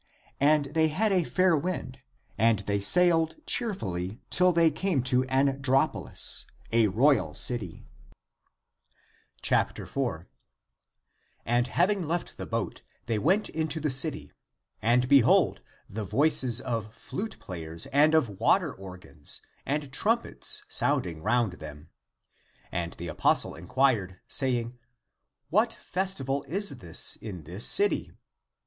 And they had a fair w^ind ; and they sailed cheerfully till they came to Andrapolis, a royal city. 228 THE APOCRYPHAL ACTS 4. And having left the boat, they went into the city. And, behold, the voices of flute players and of water organs, and trumpets sounding round them. And the apostle inquired, saying, " What festival is this in this city?"